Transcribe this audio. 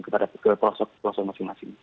kepada posok posok masing masing